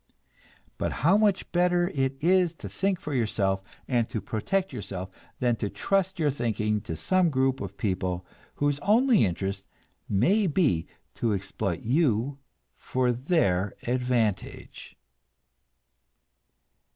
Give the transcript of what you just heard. But how much better it is to think for yourself, and to protect yourself, than to trust your thinking to some group of people whose only interest may be to exploit you for their advantage!